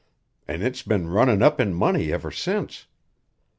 An' it's been runnin' up in money ever since.